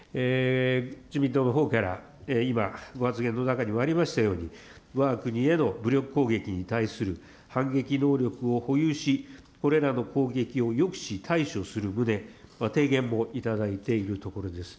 自民党のほうから、今、ご発言の中にもありましたように、わが国への武力攻撃に対する反撃能力を保有し、これらの攻撃を抑止、対処する旨、提言も頂いているところです。